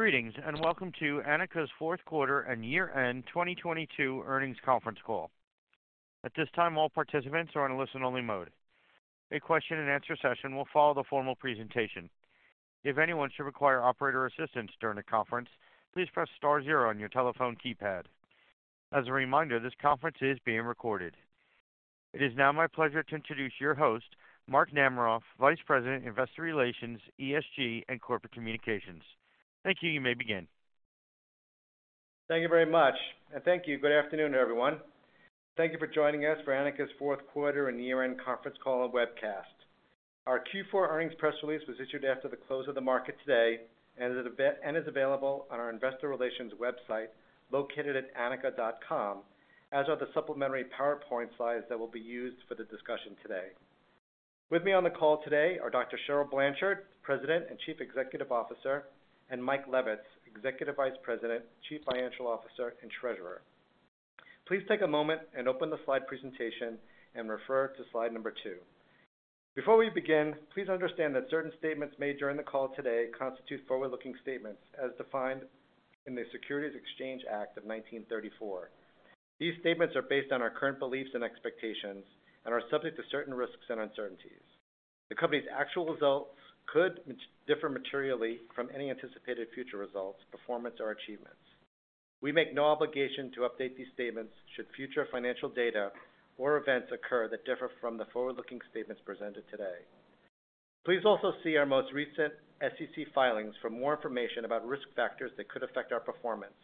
Greetings. Welcome to Anika's fourth quarter and year-end 2022 earnings conference call. At this time, all participants are on a listen-only mode. A question and answer session will follow the formal presentation. If anyone should require operator assistance during the conference, please press star zero on your telephone keypad. As a reminder, this conference is being recorded. It is now my pleasure to introduce your host, Mark Namaroff, Vice President, Investor Relations, ESG, and Corporate Communications. Thank you. You may begin. Thank you very much. Thank you. Good afternoon, everyone. Thank you for joining us for Anika's fourth quarter and year-end conference call and webcast. Our Q4 earnings press release was issued after the close of the market today and is available on our investor relations website, located at anika.com, as are the supplementary PowerPoint slides that will be used for the discussion today. With me on the call today are Dr. Cheryl Blanchard, President and Chief Executive Officer, and Mike Levitz, Executive Vice President, Chief Financial Officer, and Treasurer. Please take a moment and open the slide presentation and refer to slide number two. Before we begin, please understand that certain statements made during the call today constitute forward-looking statements as defined in the Securities Exchange Act of 1934. These statements are based on our current beliefs and expectations and are subject to certain risks and uncertainties. The company's actual results could differ materially from any anticipated future results, performance, or achievements. We make no obligation to update these statements should future financial data or events occur that differ from the forward-looking statements presented today. Please also see our most recent SEC filings for more information about risk factors that could affect our performance.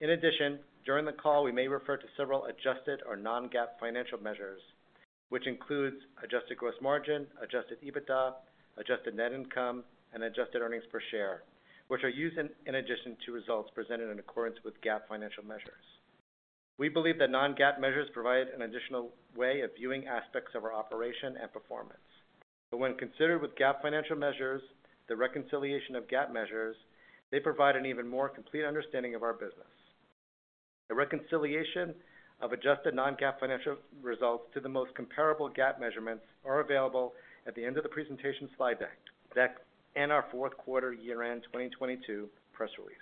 In addition, during the call, we may refer to several adjusted or non-GAAP financial measures, which includes adjusted gross margin, adjusted EBITDA, adjusted net income, and adjusted earnings per share, which are used in addition to results presented in accordance with GAAP financial measures. We believe that non-GAAP measures provide an additional way of viewing aspects of our operation and performance. When considered with GAAP financial measures, the reconciliation of GAAP measures, they provide an even more complete understanding of our business. A reconciliation of adjusted non-GAAP financial results to the most comparable GAAP measurements are available at the end of the presentation slide deck and our fourth quarter year-end 2022 press release.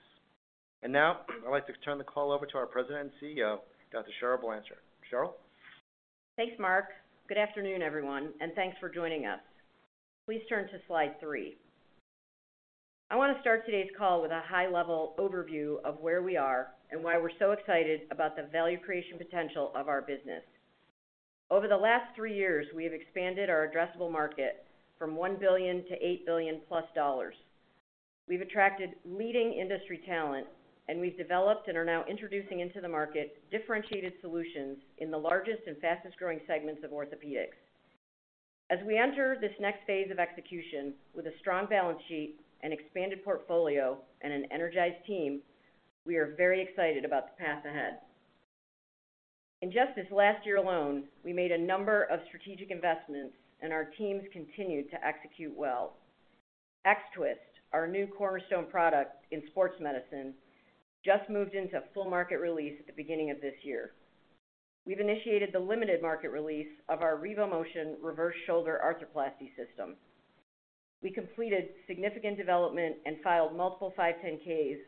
Now I'd like to turn the call over to our President and CEO, Dr. Cheryl Blanchard. Cheryl? Thanks, Mark. Good afternoon, everyone, and thanks for joining us. Please turn to slide three. I wanna start today's call with a high-level overview of where we are and why we're so excited about the value creation potential of our business. Over the last three years, we have expanded our addressable market from $1 billion-$8 billion+. We've attracted leading industry talent, and we've developed and are now introducing into the market differentiated solutions in the largest and fastest-growing segments of orthopedics. As we enter this next phase of execution with a strong balance sheet and expanded portfolio and an energized team, we are very excited about the path ahead. In just this last year alone, we made a number of strategic investments, and our teams continued to execute well. X-Twist, our new cornerstone product in sports medicine, just moved into full market release at the beginning of this year. We've initiated the limited market release of our RevoMotion Reverse Shoulder Arthroplasty System. We completed significant development and filed multiple 510(k)s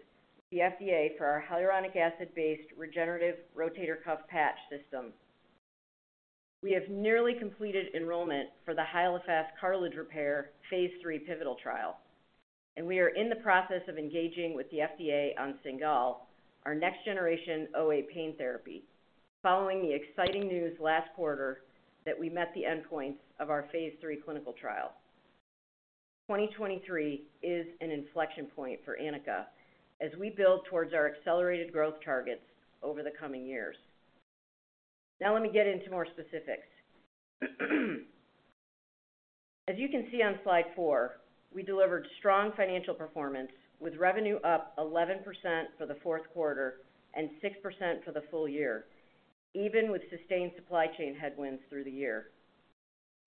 with the FDA for our hyaluronic acid-based regenerative rotator cuff patch system. We have nearly completed enrollment for the Hyalofast Cartilage Repair phase III pivotal trial, and we are in the process of engaging with the FDA on Cingal, our next-generation OA pain therapy, following the exciting news last quarter that we met the endpoint of our phase III clinical trial. 2023 is an inflection point for Anika as we build towards our accelerated growth targets over the coming years. Let me get into more specifics. As you can see on slide four, we delivered strong financial performance with revenue up 11% for the fourth quarter and 6% for the full year, even with sustained supply chain headwinds through the year.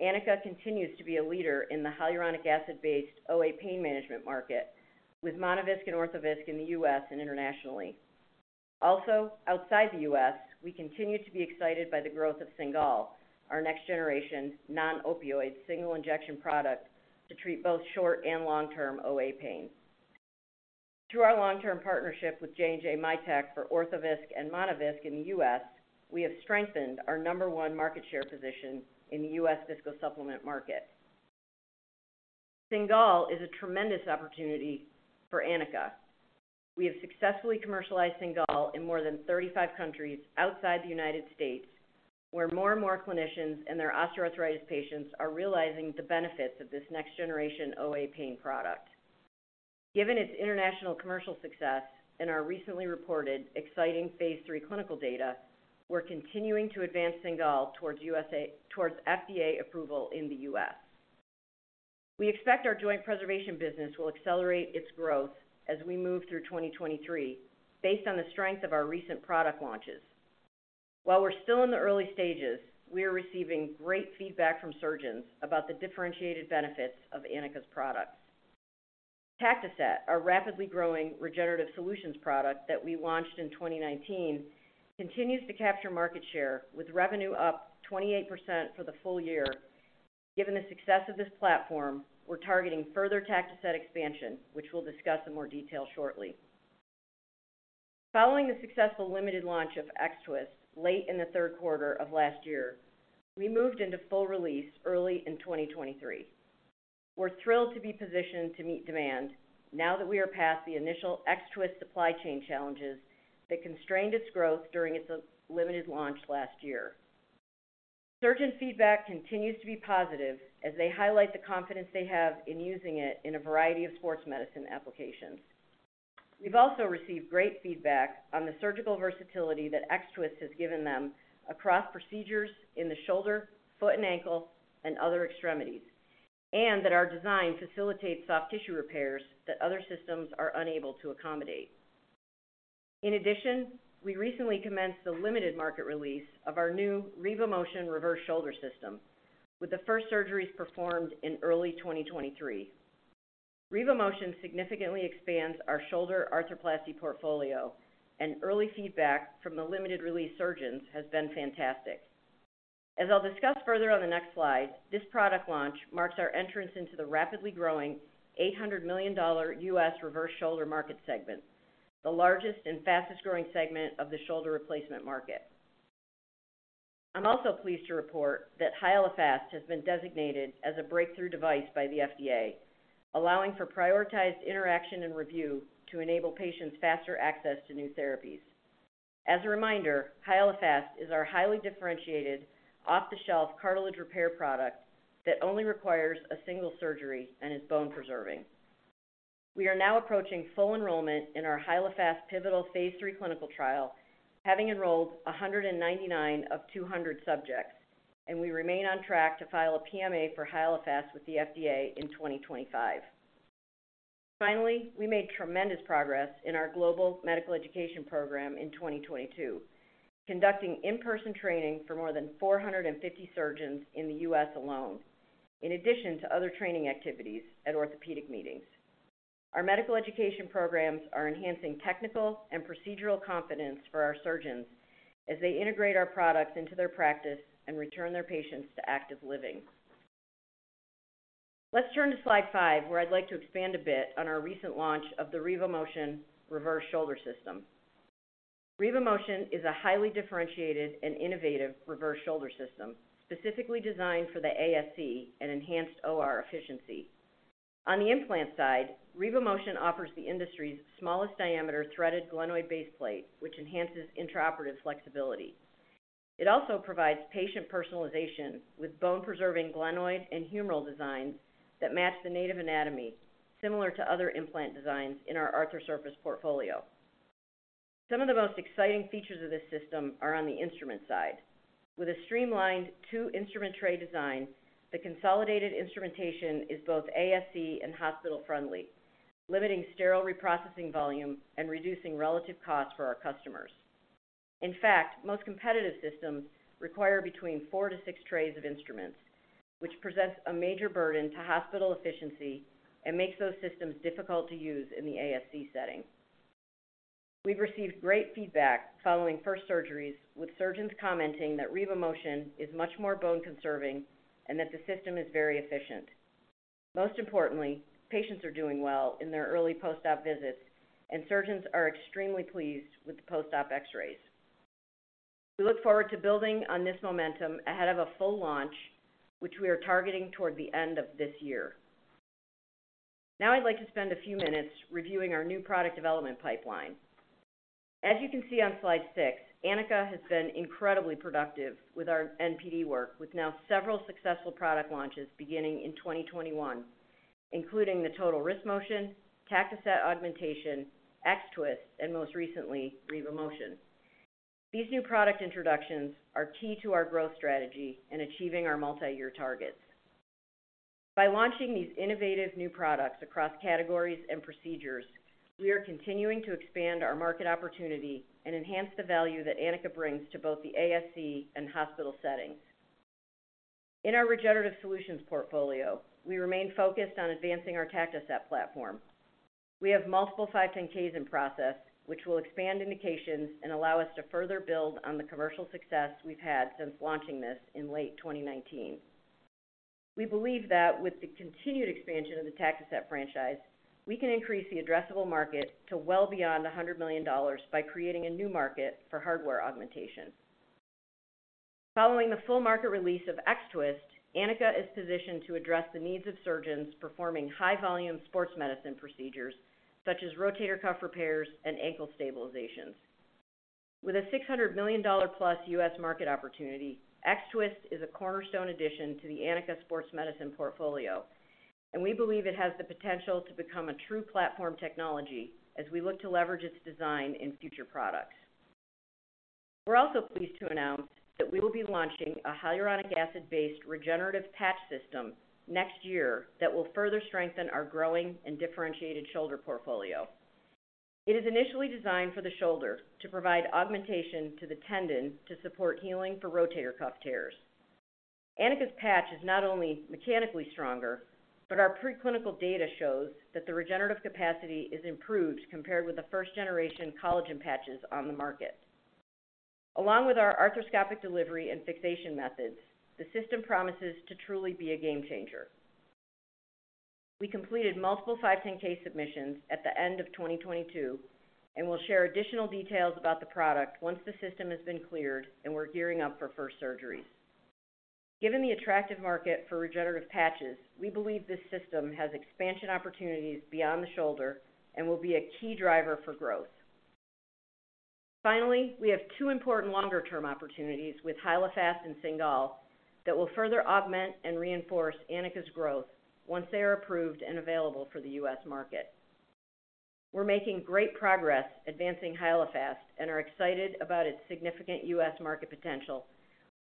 Anika continues to be a leader in the hyaluronic acid-based OA pain management market with Monovisc and Orthovisc in the U.S. and internationally. Outside the U.S., we continue to be excited by the growth of Cingal, our next-generation non-opioid single-injection product to treat both short- and long-term OA pain. Through our long-term partnership with J&J Mitek for Orthovisc and Monovisc in the U.S., we have strengthened our number-one market share position in the U.S. viscosupplement market. Cingal is a tremendous opportunity for Anika. We have successfully commercialized Cingal in more than 35 countries outside the United States, where more and more clinicians and their osteoarthritis patients are realizing the benefits of this next-generation OA pain product. Given its international commercial success and our recently reported exciting phase 3 clinical data, we're continuing to advance Cingal towards FDA approval in the U.S. We expect our joint preservation business will accelerate its growth as we move through 2023 based on the strength of our recent product launches. While we're still in the early stages, we are receiving great feedback from surgeons about the differentiated benefits of Anika's products. Tactoset, our rapidly growing regenerative solutions product that we launched in 2019, continues to capture market share with revenue up 28% for the full year. Given the success of this platform, we're targeting further Tactoset expansion, which we'll discuss in more detail shortly. Following the successful limited launch of X-Twist late in the third quarter of last year, we moved into full release early in 2023. We're thrilled to be positioned to meet demand now that we are past the initial X-Twist supply chain challenges that constrained its growth during its limited launch last year. Surgeon feedback continues to be positive as they highlight the confidence they have in using it in a variety of sports medicine applications. We've also received great feedback on the surgical versatility that X-Twist has given them across procedures in the shoulder, foot and ankle, and other extremities, and that our design facilitates soft tissue repairs that other systems are unable to accommodate. In addition, we recently commenced the limited market release of our new RevoMotion Reverse Shoulder System with the first surgeries performed in early 2023. RevoMotion significantly expands our shoulder arthroplasty portfolio and early feedback from the limited release surgeons has been fantastic. As I'll discuss further on the next slide, this product launch marks our entrance into the rapidly growing $800 million U.S. reverse shoulder market segment, the largest and fastest-growing segment of the shoulder replacement market. I'm also pleased to report that Hyalofast has been designated as a breakthrough device by the FDA, allowing for prioritized interaction and review to enable patients faster access to new therapies. As a reminder, Hyalofast is our highly differentiated, off-the-shelf cartilage repair product that only requires a single surgery and is bone preserving. We are now approaching full enrollment in our Hyalofast pivotal phase III clinical trial, having enrolled 199 of 200 subjects, we remain on track to file a PMA for Hyalofast with the FDA in 2025. Finally, we made tremendous progress in our global medical education program in 2022, conducting in-person training for more than 450 surgeons in the U.S. alone, in addition to other training activities at orthopedic meetings. Our medical education programs are enhancing technical and procedural confidence for our surgeons as they integrate our products into their practice and return their patients to active living. Let's turn to slide five, where I'd like to expand a bit on our recent launch of the RevoMotion Reverse Shoulder System. RevoMotion is a highly differentiated and innovative reverse shoulder system, specifically designed for the ASC and enhanced OR efficiency. On the implant side, RevoMotion offers the industry's smallest diameter threaded glenoid base plate, which enhances intraoperative flexibility. It also provides patient personalization with bone preserving glenoid and humeral designs that match the native anatomy, similar to other implant designs in our Arthrosurface portfolio. Some of the most exciting features of this system are on the instrument side. With a streamlined two instrument tray design, the consolidated instrumentation is both ASC and hospital-friendly, limiting sterile reprocessing volume and reducing relative costs for our customers. In fact, most competitive systems require between 4-6 trays of instruments, which presents a major burden to hospital efficiency and makes those systems difficult to use in the ASC setting. We've received great feedback following first surgeries, with surgeons commenting that RevoMotion is much more bone conserving and that the system is very efficient. Most importantly, patients are doing well in their early post-op visits, and surgeons are extremely pleased with the post-op X-rays. We look forward to building on this momentum ahead of a full launch, which we are targeting toward the end of this year. I'd like to spend a few minutes reviewing our new product development pipeline. As you can see on slide six, Anika has been incredibly productive with our NPD work, with now several successful product launches beginning in 2021, including the Total WristMotion, Tactoset Augmentation, X-Twist, and most recently, RevoMotion. These new product introductions are key to our growth strategy in achieving our multi-year targets. By launching these innovative new products across categories and procedures, we are continuing to expand our market opportunity and enhance the value that Anika brings to both the ASC and hospital settings. In our regenerative solutions portfolio, we remain focused on advancing our Tactoset platform. We have multiple 510(k)s in process, which will expand indications and allow us to further build on the commercial success we've had since launching this in late 2019. We believe that with the continued expansion of the Tactoset franchise, we can increase the addressable market to well beyond $100 million by creating a new market for hardware augmentation. Following the full market release of X-Twist, Anika is positioned to address the needs of surgeons performing high-volume sports medicine procedures such as rotator cuff repairs and ankle stabilizations. With a $600 million+ U.S. market opportunity, X-Twist is a cornerstone addition to the Anika sports medicine portfolio, we believe it has the potential to become a true platform technology as we look to leverage its design in future products. We're also pleased to announce that we will be launching a hyaluronic acid-based regenerative patch system next year that will further strengthen our growing and differentiated shoulder portfolio. It is initially designed for the shoulder to provide augmentation to the tendon to support healing for rotator cuff tears. Anika's patch is not only mechanically stronger, but our preclinical data shows that the regenerative capacity is improved compared with the first generation collagen patches on the market. Along with our arthroscopic delivery and fixation methods, the system promises to truly be a game changer. We completed multiple 510(k) submissions at the end of 2022, and we'll share additional details about the product once the system has been cleared and we're gearing up for first surgeries. Given the attractive market for regenerative patches, we believe this system has expansion opportunities beyond the shoulder and will be a key driver for growth. Finally, we have two important longer-term opportunities with Hyalofast and Cingal that will further augment and reinforce Anika's growth once they are approved and available for the U.S. market. We're making great progress advancing Hyalofast and are excited about its significant U.S. market potential,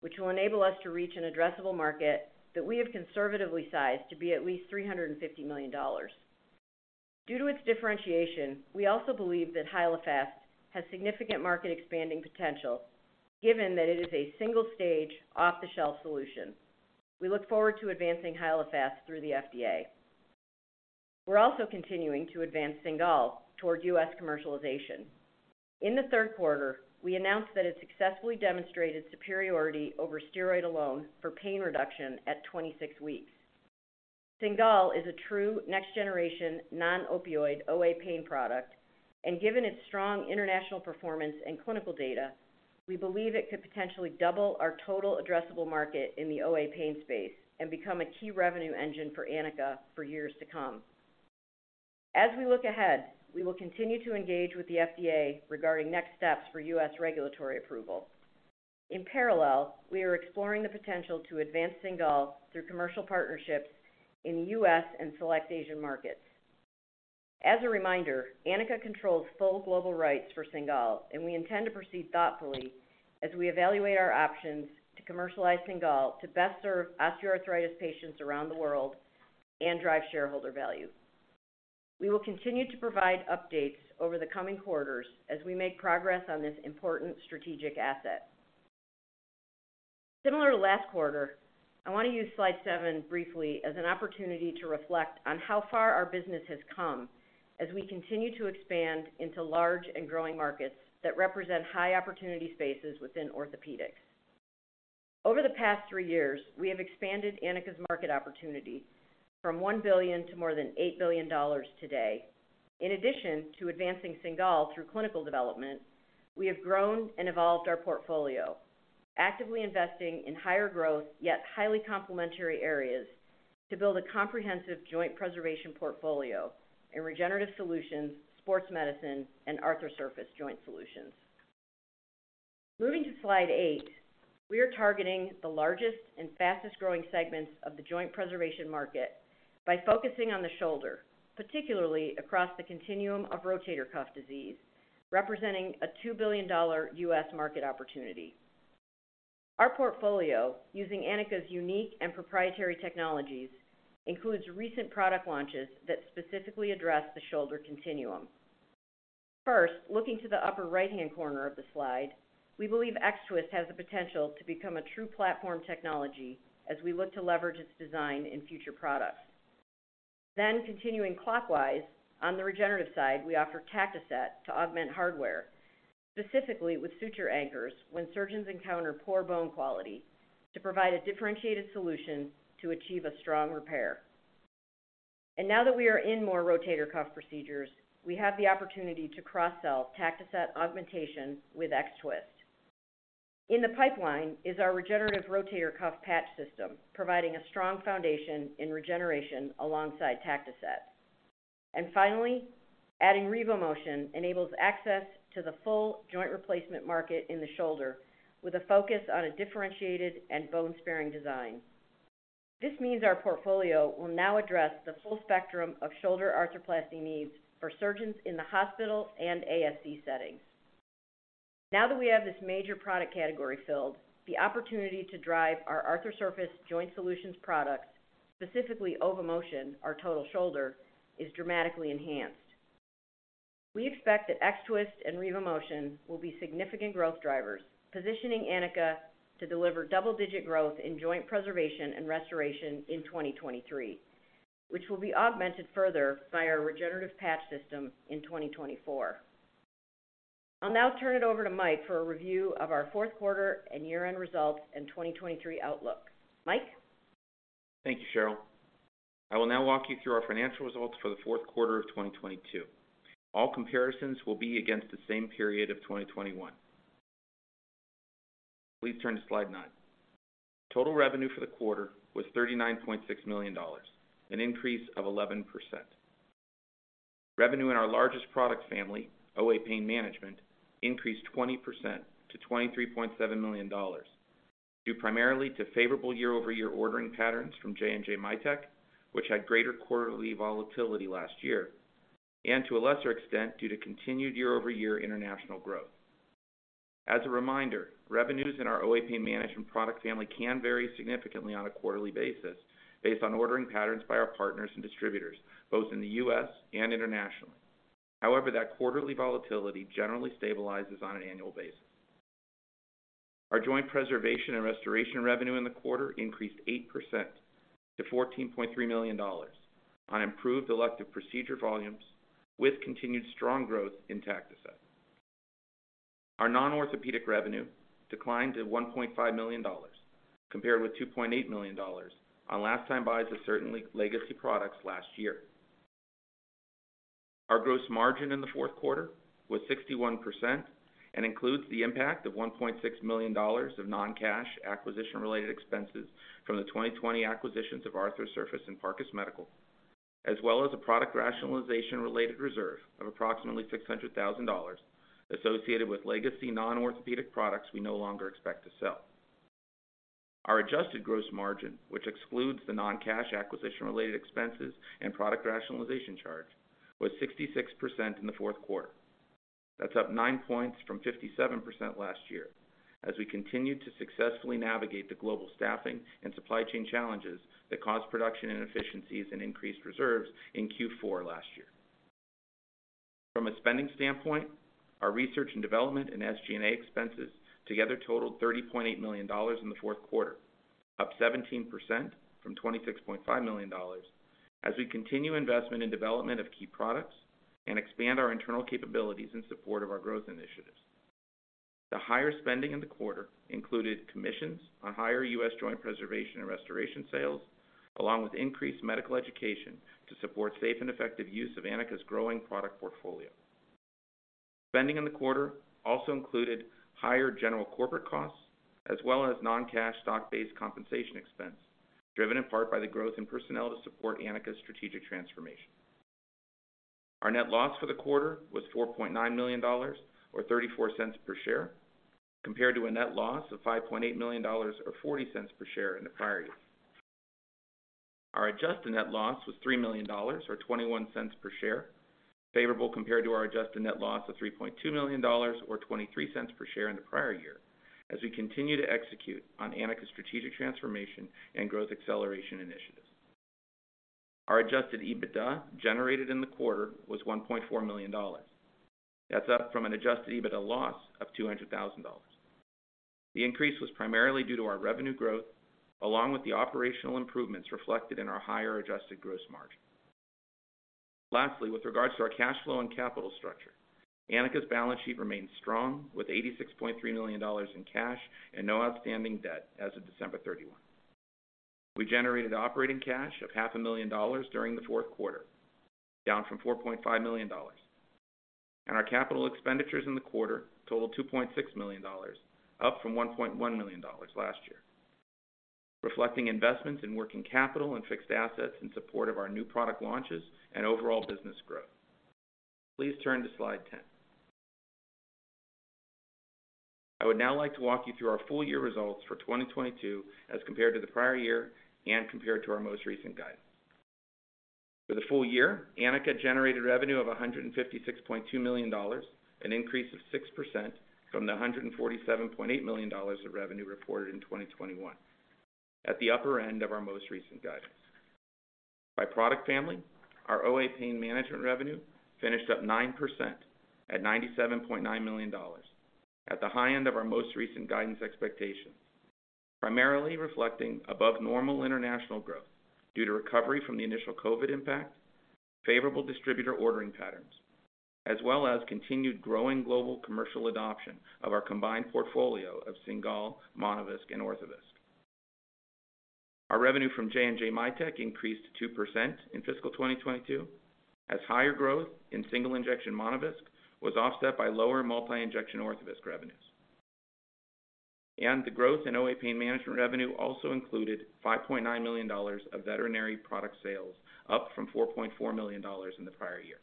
which will enable us to reach an addressable market that we have conservatively sized to be at least $350 million. Due to its differentiation, we also believe that Hyalofast has significant market expanding potential, given that it is a single-stage, off-the-shelf solution. We look forward to advancing Hyalofast through the FDA. We're also continuing to advance Cingal toward U.S. commercialization. In the third quarter, we announced that it successfully demonstrated superiority over steroid alone for pain reduction at 26 weeks. Cingal is a true next generation non-opioid OA pain product. Given its strong international performance and clinical data, we believe it could potentially double our total addressable market in the OA pain space and become a key revenue engine for Anika for years to come. As we look ahead, we will continue to engage with the FDA regarding next steps for U.S. regulatory approval. In parallel, we are exploring the potential to advance Cingal through commercial partnerships in the U.S. and select Asian markets. As a reminder, Anika controls full global rights for Cingal. We intend to proceed thoughtfully as we evaluate our options to commercialize Cingal to best serve osteoarthritis patients around the world and drive shareholder value. We will continue to provide updates over the coming quarters as we make progress on this important strategic asset. Similar to last quarter, I want to use slide seven briefly as an opportunity to reflect on how far our business has come as we continue to expand into large and growing markets that represent high opportunity spaces within orthopedics. Over the past three years, we have expanded Anika's market opportunity from $1 billion to more than $8 billion today. In addition to advancing Cingal through clinical development, we have grown and evolved our portfolio, actively investing in higher growth, yet highly complementary areas to build a comprehensive joint preservation portfolio in regenerative solutions, sports medicine, and Arthrosurface joint solutions. Moving to slide eight, we are targeting the largest and fastest-growing segments of the joint preservation market by focusing on the shoulder, particularly across the continuum of rotator cuff disease, representing a $2 billion U.S. market opportunity. Our portfolio, using Anika's unique and proprietary technologies, includes recent product launches that specifically address the shoulder continuum. First, looking to the upper right-hand corner of the slide, we believe X-Twist has the potential to become a true platform technology as we look to leverage its design in future products. Continuing clockwise on the regenerative side, we offer Tactoset to augment hardware, specifically with suture anchors when surgeons encounter poor bone quality to provide a differentiated solution to achieve a strong repair. Now that we are in more rotator cuff procedures, we have the opportunity to cross-sell Tactoset Augmentation with X-Twist. In the pipeline is our regenerative rotator cuff patch system, providing a strong foundation in regeneration alongside Tactoset. Finally, adding RevoMotion enables access to the full joint replacement market in the shoulder with a focus on a differentiated and bone-sparing design. This means our portfolio will now address the full spectrum of shoulder arthroplasty needs for surgeons in the hospital and ASC settings. Now that we have this major product category filled, the opportunity to drive our Arthrosurface joint solutions products, specifically OVOMotion, our total shoulder, is dramatically enhanced. We expect that X-Twist and RevoMotion will be significant growth drivers, positioning Anika to deliver double-digit growth in joint preservation and restoration in 2023, which will be augmented further by our regenerative patch system in 2024. I'll now turn it over to Mike for a review of our fourth quarter and year-end results and 2023 outlook. Mike? Thank you, Cheryl. I will now walk you through our financial results for the fourth quarter of 2022. All comparisons will be against the same period of 2021. Please turn to slide nine. Total revenue for the quarter was $39.6 million, an increase of 11%. Revenue in our largest product family, OA Pain Management, increased 20% to $23.7 million, due primarily to favorable year-over-year ordering patterns from J&J Mitek, which had greater quarterly volatility last year, and to a lesser extent, due to continued year-over-year international growth. As a reminder, revenues in our OA Pain Management product family can vary significantly on a quarterly basis based on ordering patterns by our partners and distributors, both in the U.S. and internationally. However, that quarterly volatility generally stabilizes on an annual basis. Our joint preservation and restoration revenue in the quarter increased 8% to $14.3 million on improved elective procedure volumes with continued strong growth in Tactoset. Our non-orthopedic revenue declined to $1.5 million compared with $2.8 million on last-time buys of certain legacy products last year. Our gross margin in the fourth quarter was 61% and includes the impact of $1.6 million of non-cash acquisition related expenses from the 2020 acquisitions of Arthrosurface and Parcus Medical, as well as a product rationalization-related reserve of approximately $600,000 associated with legacy non-orthopedic products we no longer expect to sell. Our adjusted gross margin, which excludes the non-cash acquisition related expenses and product rationalization charge, was 66% in the fourth quarter. That's up nine points from 57% last year as we continue to successfully navigate the global staffing and supply chain challenges that caused production inefficiencies and increased reserves in Q4 last year. From a spending standpoint, our research and development and SG&A expenses together totaled $30.8 million in the fourth quarter, up 17% from $26.5 million as we continue investment in development of key products and expand our internal capabilities in support of our growth initiatives. The higher spending in the quarter included commissions on higher U.S. joint preservation and restoration sales, along with increased medical education to support safe and effective use of Anika's growing product portfolio. Spending in the quarter also included higher general corporate costs as well as non-cash stock-based compensation expense, driven in part by the growth in personnel to support Anika's strategic transformation. Our net loss for the quarter was $4.9 million or $0.34 per share, compared to a net loss of $5.8 million or $0.40 per share in the prior year. Our adjusted net loss was $3 million or $0.21 per share, favorable compared to our adjusted net loss of $3.2 million or $0.23 per share in the prior year as we continue to execute on Anika's strategic transformation and growth acceleration initiatives. Our adjusted EBITDA generated in the quarter was $1.4 million. That's up from an adjusted EBITDA loss of $200,000. The increase was primarily due to our revenue growth along with the operational improvements reflected in our higher adjusted gross margin. Lastly, with regards to our cash flow and capital structure, Anika's balance sheet remains strong with $86.3 million in cash and no outstanding debt as of December 31. We generated operating cash of $500,000 during the fourth quarter, down from $4.5 million. Our capital expenditures in the quarter totaled $2.6 million, up from $1.1 million last year, reflecting investments in working capital and fixed assets in support of our new product launches and overall business growth. Please turn to slide 10. I would now like to walk you through our full year results for 2022 as compared to the prior year and compared to our most recent guidance. For the full year, Anika generated revenue of $156.2 million, an increase of 6% from the $147.8 million of revenue reported in 2021, at the upper end of our most recent guidance. By product family, our OA pain management revenue finished up 9% at $97.9 million at the high end of our most recent guidance expectation, primarily reflecting above normal international growth due to recovery from the initial COVID impact, favorable distributor ordering patterns, as well as continued growing global commercial adoption of our combined portfolio of Cingal, Monovisc and Orthovisc. Our revenue from J&J Mitek increased 2% in fiscal 2022 as higher growth in single injection Monovisc was offset by lower multi-injection Orthovisc revenues. The growth in OA pain management revenue also included $5.9 million of veterinary product sales, up from $4.4 million in the prior year.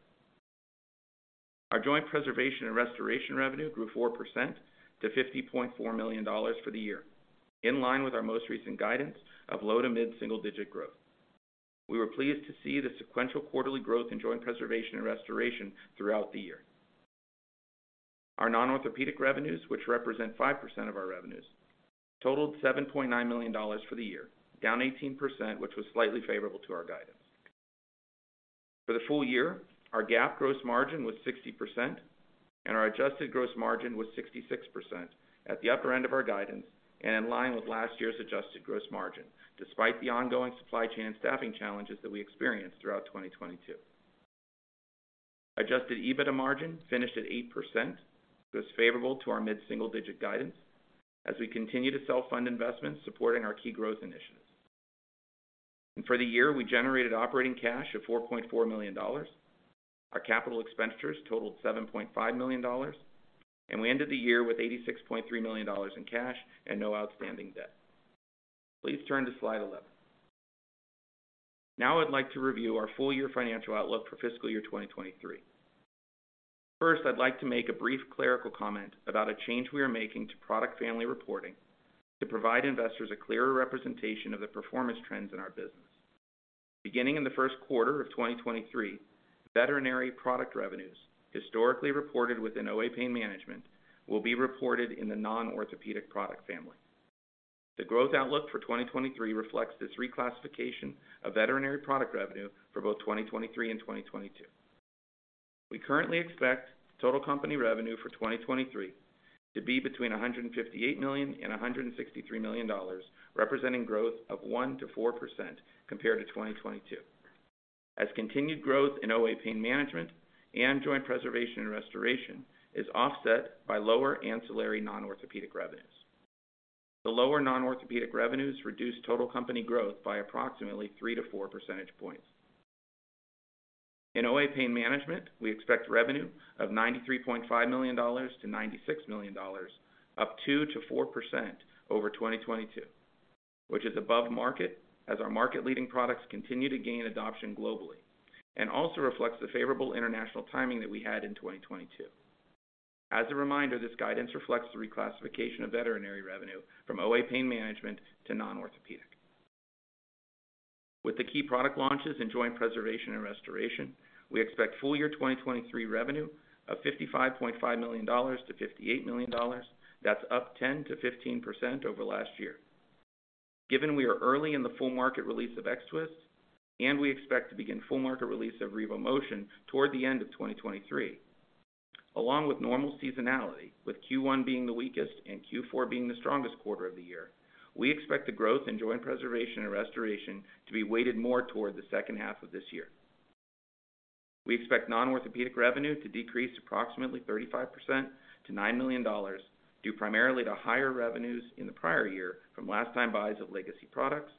Our joint preservation and restoration revenue grew 4% to $50.4 million for the year, in line with our most recent guidance of low to mid single digit growth. We were pleased to see the sequential quarterly growth in joint preservation and restoration throughout the year. Our non-orthopedic revenues, which represent 5% of our revenues, totaled $7.9 million for the year, down 18%, which was slightly favorable to our guidance. For the full year, our GAAP gross margin was 60% and our adjusted gross margin was 66% at the upper end of our guidance and in line with last year's adjusted gross margin despite the ongoing supply chain and staffing challenges that we experienced throughout 2022. Adjusted EBITDA margin finished at 8%. It was favorable to our mid single digit guidance as we continue to self-fund investments supporting our key growth initiatives. For the year, we generated operating cash of $4.4 million. Our capital expenditures totaled $7.5 million, and we ended the year with $86.3 million in cash and no outstanding debt. Please turn to slide 11. Now I'd like to review our full year financial outlook for fiscal year 2023. I'd like to make a brief clerical comment about a change we are making to product family reporting to provide investors a clearer representation of the performance trends in our business. Beginning in the first quarter of 2023, veterinary product revenues, historically reported within OA Pain Management, will be reported in the non-orthopedic product family. The growth outlook for 2023 reflects this reclassification of veterinary product revenue for both 2023 and 2022. We currently expect total company revenue for 2023 to be between $158 million and $163 million, representing growth of 1%-4% compared to 2022. Continued growth in OA Pain Management and joint preservation and restoration is offset by lower ancillary non-orthopedic revenues. The lower non-orthopedic revenues reduce total company growth by approximately 3-4 percentage points. In OA pain management, we expect revenue of $93.5 million-$96 million, up 2%-4% over 2022, which is above market as our market-leading products continue to gain adoption globally, and also reflects the favorable international timing that we had in 2022. As a reminder, this guidance reflects the reclassification of veterinary revenue from OA pain management to non-orthopedic. With the key product launches in joint preservation and restoration, we expect full year 2023 revenue of $55.5 million-$58 million. That's up 10%-15% over last year. Given we are early in the full market release of X-Twist, and we expect to begin full market release of RevoMotion toward the end of 2023, along with normal seasonality, with Q1 being the weakest and Q4 being the strongest quarter of the year, we expect the growth in joint preservation and restoration to be weighted more toward the second half of this year. We expect non-orthopedic revenue to decrease approximately 35% to $9 million, due primarily to higher revenues in the prior year from last time buys of legacy products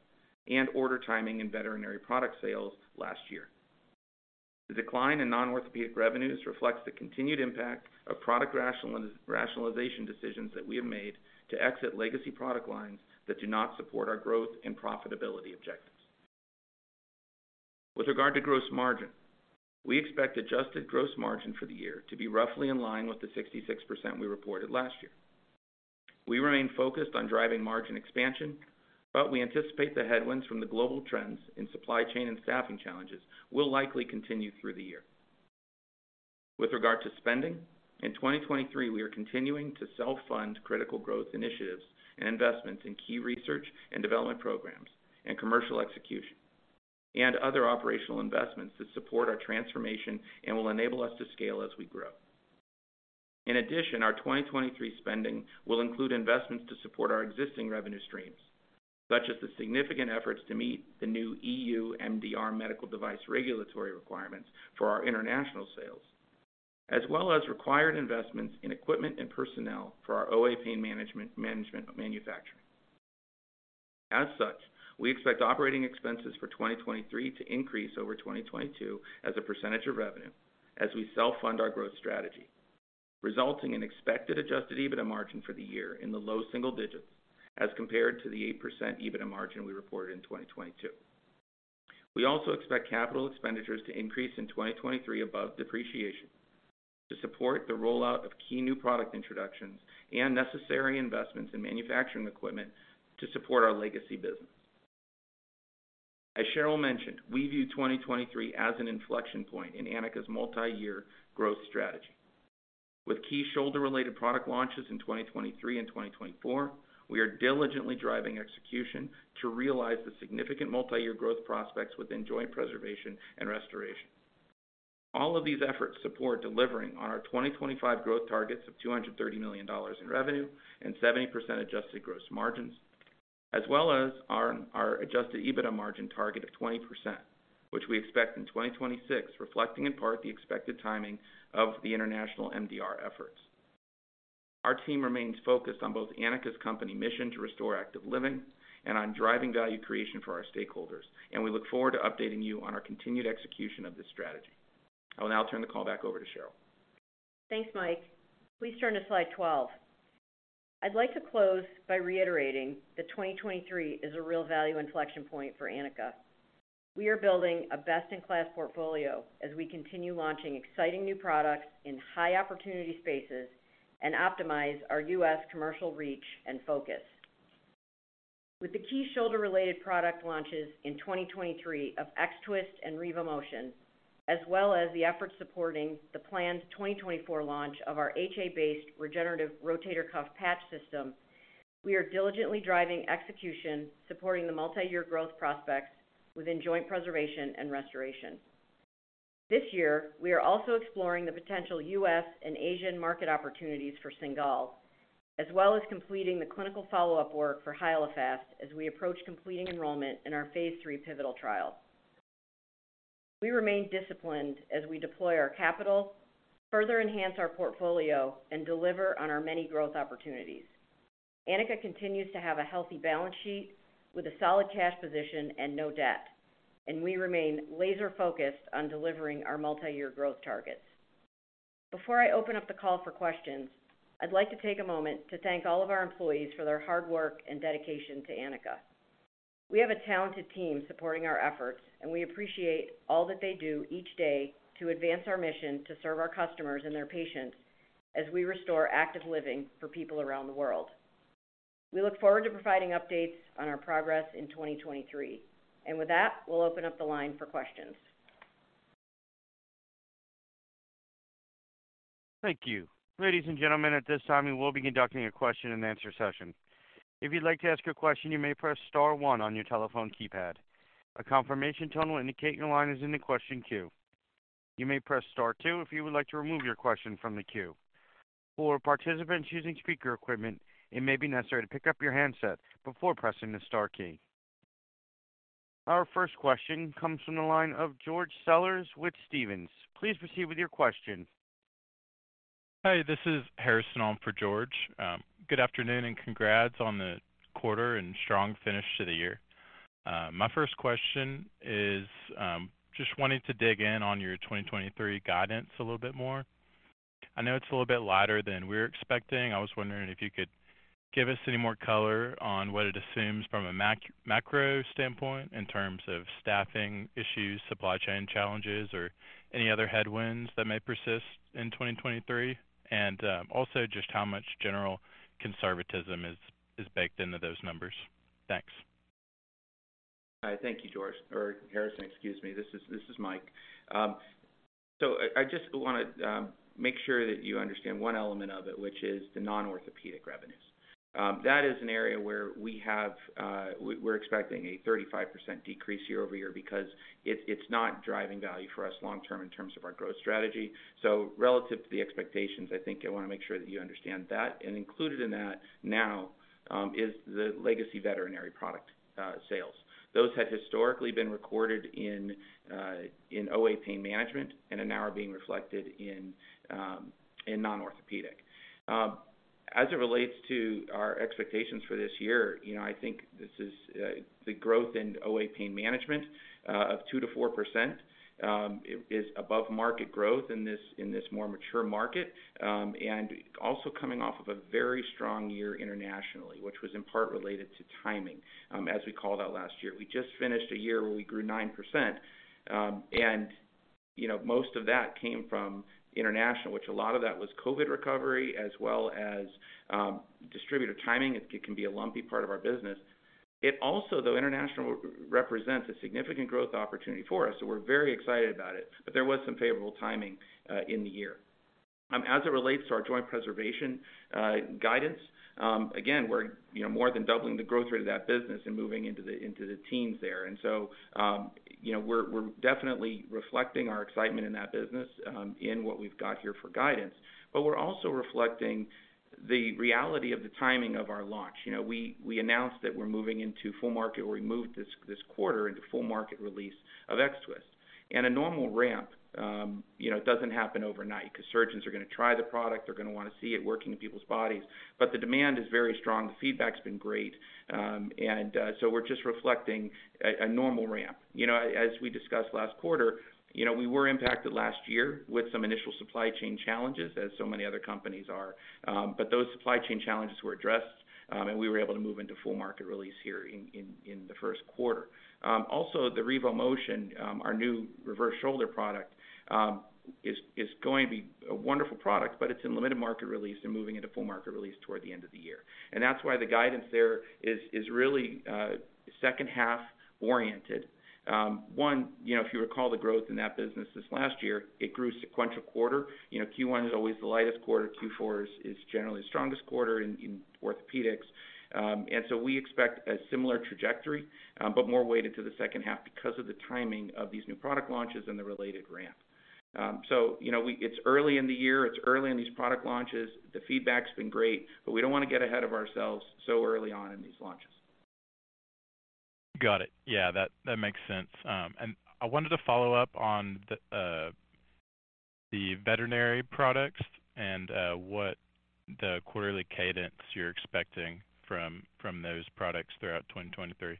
and order timing in veterinary product sales last year. The decline in non-orthopedic revenues reflects the continued impact of product rationalization decisions that we have made to exit legacy product lines that do not support our growth and profitability objectives. With regard to gross margin, we expect adjusted gross margin for the year to be roughly in line with the 66% we reported last year. We remain focused on driving margin expansion, but we anticipate the headwinds from the global trends in supply chain and staffing challenges will likely continue through the year. With regard to spending, in 2023, we are continuing to self-fund critical growth initiatives and investments in key research and development programs and commercial execution, and other operational investments that support our transformation and will enable us to scale as we grow. In addition, our 2023 spending will include investments to support our existing revenue streams, such as the significant efforts to meet the new EU MDR medical device regulatory requirements for our international sales, as well as required investments in equipment and personnel for our OA pain management manufacturing. As such, we expect operating expenses for 2023 to increase over 2022 as a percentage of revenue as we self-fund our growth strategy, resulting in expected adjusted EBITDA margin for the year in the low single digits as compared to the 8% EBITDA margin we reported in 2022. We also expect capital expenditures to increase in 2023 above depreciation to support the rollout of key new product introductions and necessary investments in manufacturing equipment to support our legacy business. As Cheryl mentioned, we view 2023 as an inflection point in Anika's multi-year growth strategy. With key shoulder-related product launches in 2023 and 2024, we are diligently driving execution to realize the significant multi-year growth prospects within joint preservation and restoration. All of these efforts support delivering on our 2025 growth targets of $230 million in revenue and 70% adjusted gross margins, as well as our adjusted EBITDA margin target of 20%, which we expect in 2026, reflecting in part the expected timing of the international MDR efforts. Our team remains focused on both Anika's company mission to restore active living and on driving value creation for our stakeholders, and we look forward to updating you on our continued execution of this strategy. I will now turn the call back over to Cheryl. Thanks, Mike. Please turn to slide 12. I'd like to close by reiterating that 2023 is a real value inflection point for Anika. We are building a best-in-class portfolio as we continue launching exciting new products in high opportunity spaces and optimize our U.S. commercial reach and focus. With the key shoulder-related product launches in 2023 of X-Twist and RevoMotion, as well as the efforts supporting the planned 2024 launch of our HA-based regenerative rotator cuff patch system, we are diligently driving execution, supporting the multi-year growth prospects within joint preservation and restoration. This year, we are also exploring the potential U.S. and Asian market opportunities for Cingal, as well as completing the clinical follow-up work for Hyalofast as we approach completing enrollment in our phase III pivotal trial. We remain disciplined as we deploy our capital, further enhance our portfolio, and deliver on our many growth opportunities. Anika continues to have a healthy balance sheet with a solid cash position and no debt. We remain laser-focused on delivering our multi-year growth targets. Before I open up the call for questions, I'd like to take a moment to thank all of our employees for their hard work and dedication to Anika. We have a talented team supporting our efforts. We appreciate all that they do each day to advance our mission to serve our customers and their patients as we restore active living for people around the world. We look forward to providing updates on our progress in 2023. With that, we'll open up the line for questions. Thank you. Ladies and gentlemen, at this time, we will be conducting a question-and-answer session. If you'd like to ask a question, you may press star one on your telephone keypad. A confirmation tone will indicate your line is in the question queue. You may press star two if you would like to remove your question from the queue. For participants using speaker equipment, it may be necessary to pick up your handset before pressing the star key. Our first question comes from the line of George Sellers with Stephens. Please proceed with your question. Hi, this is Harrison on for George. Good afternoon, and congrats on the quarter and strong finish to the year. My first question is, just wanting to dig in on your 2023 guidance a little bit more. I know it's a little bit lighter than we're expecting. I was wondering if you could give us any more color on what it assumes from a macro standpoint in terms of staffing issues, supply chain challenges, or any other headwinds that may persist in 2023. Also just how much general conservatism is baked into those numbers. Thanks. Thank you, George, or Harrison, excuse me. This is Mike. I just wanna make sure that you understand one element of it, which is the non-orthopedic revenues. That is an area where we're expecting a 35% decrease year-over-year because it's not driving value for us long term in terms of our growth strategy. Relative to the expectations, I think I wanna make sure that you understand that. Included in that now is the legacy veterinary product sales. Those had historically been recorded in OA Pain Management and are now being reflected in non-orthopedic. As it relates to our expectations for this year, you know, I think this is the growth in OA Pain Management of 2%-4% is above market growth in this more mature market, and also coming off of a very strong year internationally, which was in part related to timing, as we called out last year. We just finished a year where we grew 9%. You know, most of that came from international, which a lot of that was COVID recovery as well as distributor timing. It can be a lumpy part of our business. It also, though, international represents a significant growth opportunity for us, so we're very excited about it. There was some favorable timing in the year. As it relates to our joint preservation guidance, again, we're, you know, more than doubling the growth rate of that business and moving into the, into the teens there. We're definitely reflecting our excitement in that business in what we've got here for guidance. We're also reflecting the reality of the timing of our launch. We announced that we're moving into full market, or we moved this quarter into full market release of X-Twist. A normal ramp, you know, doesn't happen overnight 'cause surgeons are gonna try the product. They're gonna wanna see it working in people's bodies. The demand is very strong. The feedback's been great. We're just reflecting a normal ramp. You know, as we discussed last quarter, you know, we were impacted last year with some initial supply chain challenges as so many other companies are. Those supply chain challenges were addressed, and we were able to move into full market release here in the first quarter. Also the RevoMotion, our new reverse shoulder product, is going to be a wonderful product, but it's in limited market release and moving into full market release toward the end of the year. That's why the guidance there is really second half oriented. One, you know, if you recall the growth in that business this last year, it grew sequential quarter. You know, Q1 is always the lightest quarter. Q4 is generally the strongest quarter in orthopedics. We expect a similar trajectory, but more weighted to the second half because of the timing of these new product launches and the related ramp. You know, it's early in the year. It's early in these product launches. The feedback's been great, but we don't wanna get ahead of ourselves so early on in these launches. Got it. Yeah. That makes sense. I wanted to follow up on the veterinary products and, what the quarterly cadence you're expecting from those products throughout 2023?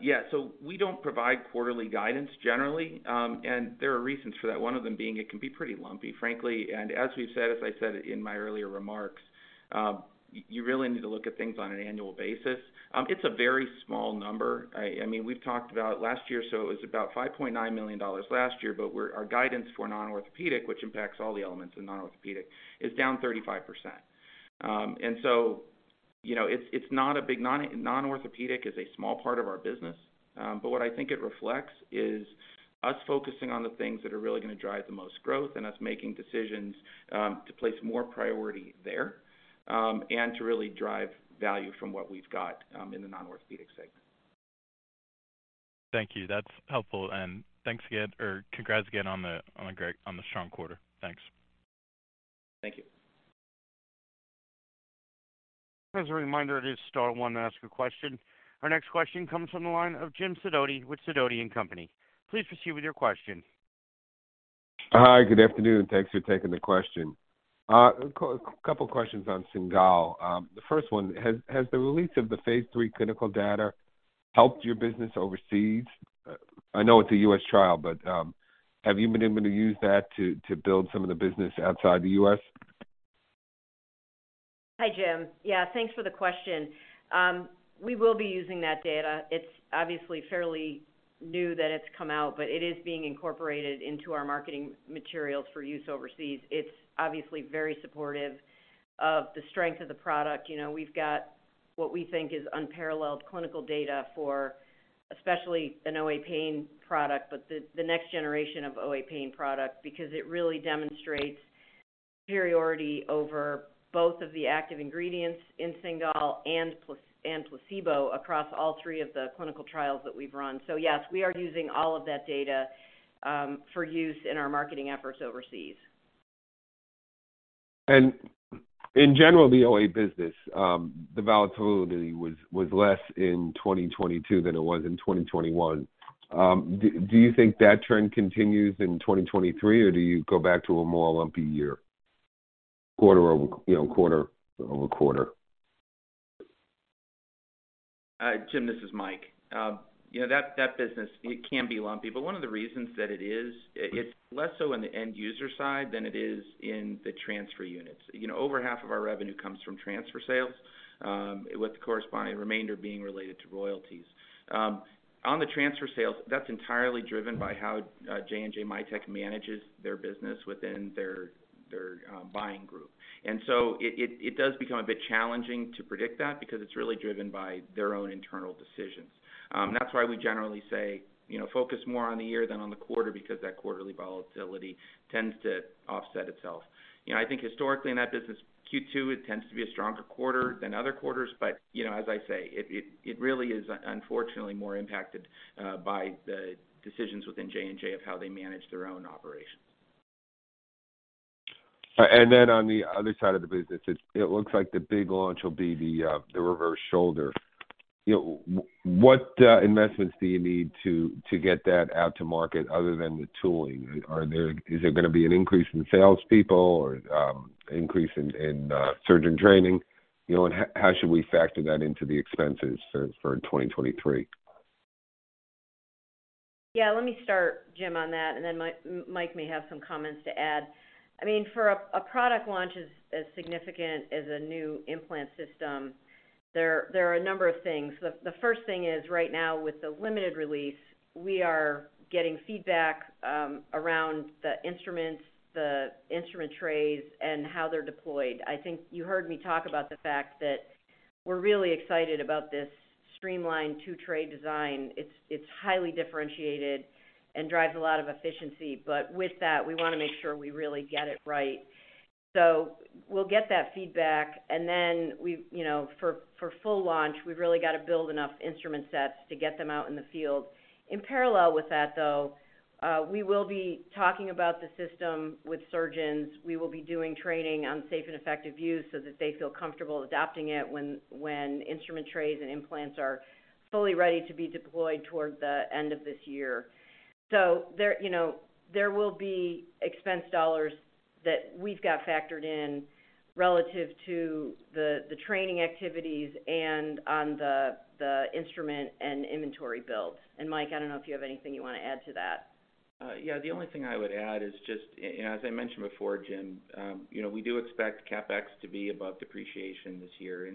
Yeah. We don't provide quarterly guidance generally. There are reasons for that. One of them being, it can be pretty lumpy, frankly. As we've said, as I said in my earlier remarks, you really need to look at things on an annual basis. It's a very small number. I mean, we've talked about last year, it was about $5.9 million last year. Our guidance for non-orthopedic, which impacts all the elements in non-orthopedic, is down 35%. Non-orthopedic is a small part of our business. What I think it reflects is us focusing on the things that are really gonna drive the most growth and us making decisions to place more priority there and to really drive value from what we've got in the non-orthopedic segment. Thank you. That's helpful. Thanks again, or congrats again on the great, strong quarter. Thanks. Thank you. As a reminder, it is star one to ask a question. Our next question comes from the line of James Sidoti with Sidoti & Company. Please proceed with your question. Hi. Good afternoon. Thanks for taking the question. A couple of questions on Cingal. The first one, has the release of the phase III clinical data helped your business overseas? I know it's a US trial, but have you been able to use that to build some of the business outside the U.S.? Hi, Jim. Yeah, thanks for the question. We will be using that data. It's obviously fairly new that it's come out, but it is being incorporated into our marketing materials for use overseas. It's obviously very supportive of the strength of the product. What we think is unparalleled clinical data for especially an OA pain product, but the next generation of OA pain product, because it really demonstrates superiority over both of the active ingredients in Cingal and placebo across all three of the clinical trials that we've run. Yes, we are using all of that data for use in our marketing efforts overseas. In general, the OA business, the volatility was less in 2022 than it was in 2021. Do you think that trend continues in 2023 or do you go back to a more lumpy year, quarter-over-quarter? Jim, this is Mike. You know, that business, it can be lumpy. One of the reasons that it is, it's less so on the end user side than it is in the transfer units. You know, over half of our revenue comes from transfer sales, with the corresponding remainder being related to royalties. On the transfer sales, that's entirely driven by how J&J Mitek manages their business within their buying group. It does become a bit challenging to predict that because it's really driven by their own internal decisions. That's why we generally say, you know, focus more on the year than on the quarter because that quarterly volatility tends to offset itself. You know, I think historically in that business, Q2 tends to be a stronger quarter than other quarters, as I say, it really is unfortunately more impacted by the decisions within J&J of how they manage their own operations. On the other side of the business, it looks like the big launch will be the reverse shoulder. You know, what investments do you need to get that out to market other than the tooling? Is there gonna be an increase in salespeople or increase in surgeon training? You know, how should we factor that into the expenses for 2023? Yeah, let me start, Jim, on that, and then Mike may have some comments to add. I mean, for a product launch as significant as a new implant system, there are a number of things. The first thing is right now with the limited release, we are getting feedback around the instruments, the instrument trays, and how they're deployed. I think you heard me talk about the fact that we're really excited about this streamlined two-tray design. It's highly differentiated and drives a lot of efficiency. With that, we wanna make sure we really get it right. We'll get that feedback. You know, for full launch, we've really got to build enough instrument sets to get them out in the field. In parallel with that, though, we will be talking about the system with surgeons. We will be doing training on safe and effective use so that they feel comfortable adopting it when instrument trays and implants are fully ready to be deployed toward the end of this year. There will be expense dollars that we've got factored in relative to the training activities and on the instrument and inventory builds. Mike, I don't know if you have anything you wanna add to that. Yeah. The only thing I would add is just, you know, as I mentioned before, Jim, you know, we do expect CapEx to be above depreciation this year.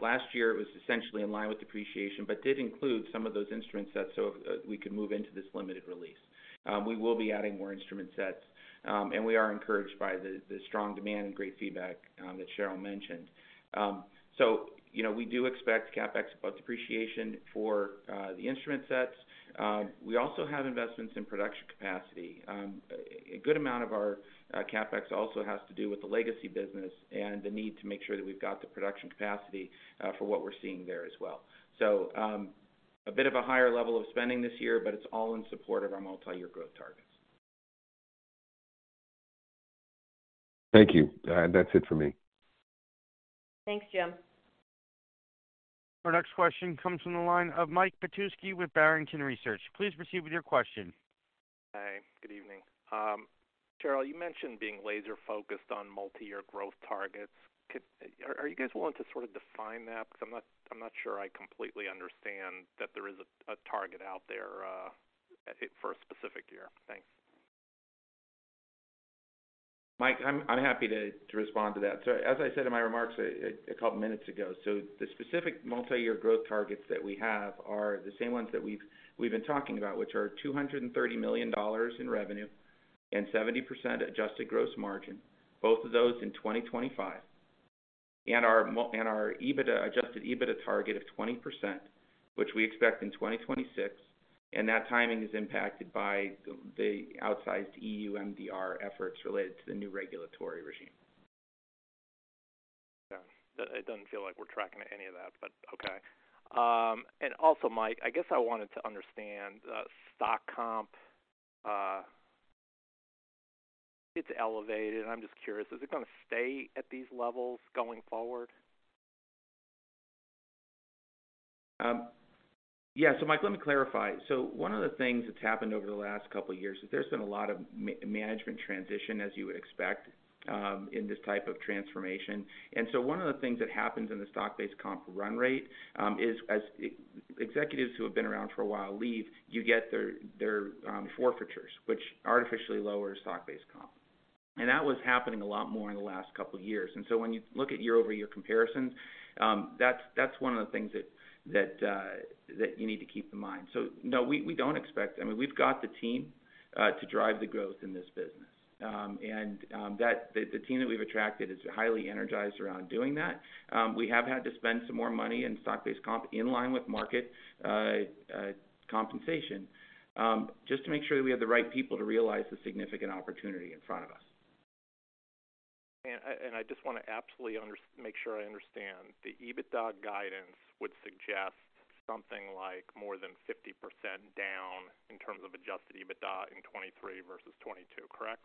Last year, it was essentially in line with depreciation, but did include some of those instruments so we could move into this limited release. We will be adding more instrument sets, and we are encouraged by the strong demand and great feedback that Cheryl mentioned. You know, we do expect CapEx above depreciation for the instrument sets. We also have investments in production capacity. A good amount of our CapEx also has to do with the legacy business and the need to make sure that we've got the production capacity for what we're seeing there as well. A bit of a higher level of spending this year, but it's all in support of our multi-year growth targets. Thank you. That's it for me. Thanks, Jim. Our next question comes from the line of Michael Petusky with Barrington Research. Please proceed with your question. Hi, good evening. Cheryl, you mentioned being laser-focused on multi-year growth targets. Are you guys willing to sort of define that? I'm not sure I completely understand that there is a target out there for a specific year. Thanks. Mike, I'm happy to respond to that. As I said in my remarks a couple of minutes ago, the specific multi-year growth targets that we have are the same ones that we've been talking about, which are $230 million in revenue and 70% adjusted gross margin, both of those in 2025. Our adjusted EBITDA target of 20%, which we expect in 2026, and that timing is impacted by the outsized EU MDR efforts related to the new regulatory regime. Yeah. It doesn't feel like we're tracking to any of that, but okay. Also, Mike, I guess I wanted to understand, stock comp. It's elevated. I'm just curious, is it gonna stay at these levels going forward? Yeah. Mike, let me clarify. One of the things that's happened over the last couple of years is there's been a lot of management transition, as you would expect, in this type of transformation. One of the things that happens in the stock-based comp run rate is as executives who have been around for a while leave, you get their forfeitures, which artificially lowers stock-based comp. That was happening a lot more in the last couple of years. When you look at year-over-year comparisons, that's one of the things that you need to keep in mind. No, we don't expect. I mean, we've got the team to drive the growth in this business. And the team that we've attracted is highly energized around doing that. We have had to spend some more money in stock-based comp in line with market compensation, just to make sure that we have the right people to realize the significant opportunity in front of us. I just wanna absolutely make sure I understand. The EBITDA guidance would suggest something like more than 50% down in terms of adjusted EBITDA in 2023 versus 2022, correct?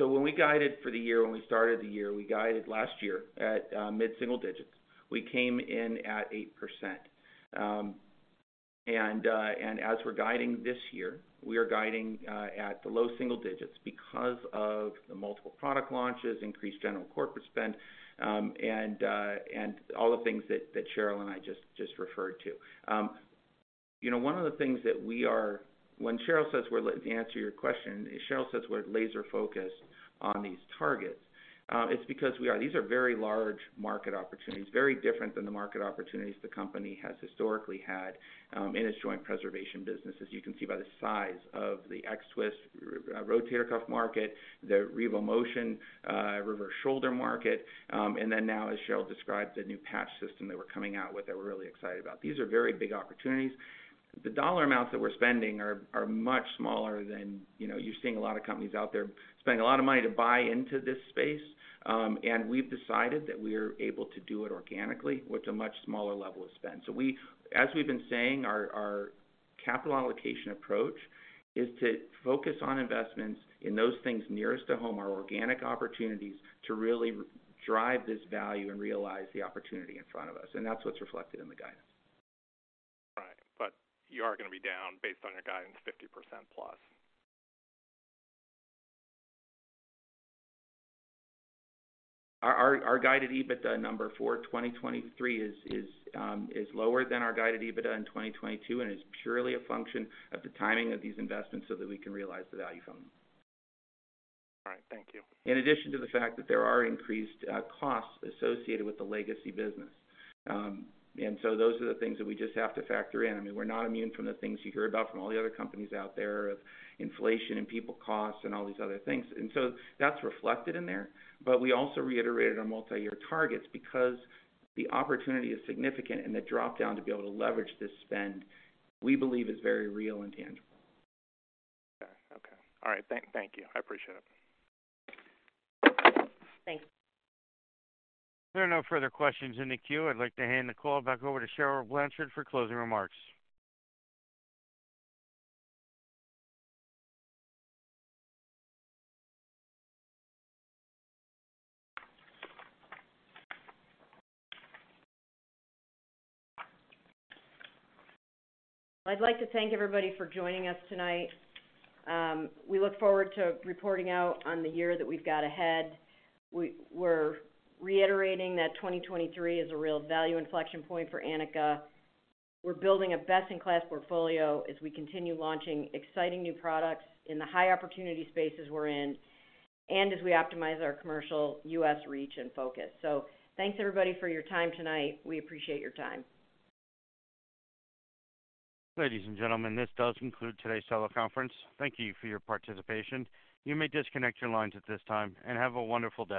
When we guided for the year, when we started the year, we guided last year at mid-single digits. We came in at 8%. As we're guiding this year, we are guiding at the low single digits because of the multiple product launches, increased general corporate spend, and all the things that Cheryl and I just referred to. You know, one of the things that we are. To answer your question, if Cheryl says we're laser-focused on these targets, it's because these are very large market opportunities, very different than the market opportunities the company has historically had, in its joint preservation business, as you can see by the size of the X-Twist rotator cuff market, the RevoMotion reverse shoulder market, then now as Cheryl described, the new patch system that we're coming out with that we're really excited about. These are very big opportunities. The dollar amounts that we're spending are much smaller than, you know, you're seeing a lot of companies out there spending a lot of money to buy into this space. We've decided that we're able to do it organically with a much smaller level of spend. As we've been saying, our capital allocation approach is to focus on investments in those things nearest to home, our organic opportunities, to really drive this value and realize the opportunity in front of us. That's what's reflected in the guidance. Right. You are gonna be down based on your guidance 50%+. Our guided EBITDA number for 2023 is lower than our guided EBITDA in 2022 and is purely a function of the timing of these investments so that we can realize the value from them. All right. Thank you. In addition to the fact that there are increased costs associated with the legacy business. Those are the things that we just have to factor in. I mean, we're not immune from the things you hear about from all the other companies out there of inflation and people costs and all these other things. That's reflected in there. We also reiterated our multi-year targets because the opportunity is significant, and the dropdown to be able to leverage this spend, we believe is very real and tangible. Okay. All right. Thank you. I appreciate it. Thanks. There are no further questions in the queue. I'd like to hand the call back over to Cheryl Blanchard for closing remarks. I'd like to thank everybody for joining us tonight. We look forward to reporting out on the year that we've got ahead. We're reiterating that 2023 is a real value inflection point for Anika. We're building a best-in-class portfolio as we continue launching exciting new products in the high opportunity spaces we're in and as we optimize our commercial U.S. reach and focus. Thanks everybody for your time tonight. We appreciate your time. Ladies and gentlemen, this does conclude today's teleconference. Thank you for your participation. You may disconnect your lines at this time, and have a wonderful day.